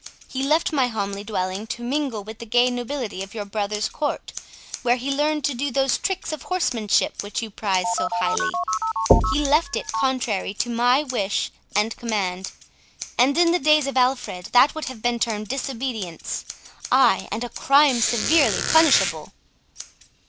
He left my homely dwelling to mingle with the gay nobility of your brother's court, where he learned to do those tricks of horsemanship which you prize so highly. He left it contrary to my wish and command; and in the days of Alfred that would have been termed disobedience—ay, and a crime severely punishable."